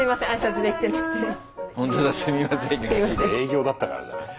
営業だったからじゃない。